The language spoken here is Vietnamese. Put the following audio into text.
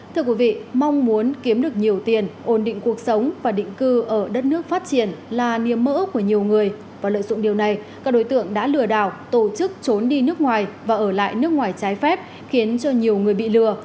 thưa quý vị mong muốn kiếm được nhiều tiền ổn định cuộc sống và định cư ở đất nước phát triển là niềm mỡ của nhiều người và lợi dụng điều này các đối tượng đã lừa đảo tổ chức trốn đi nước ngoài và ở lại nước ngoài trái phép khiến cho nhiều người bị lừa